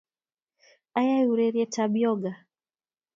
Ayae ureriet ab yoga